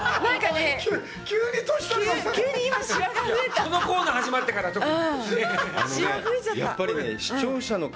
このコーナー始まってから特に。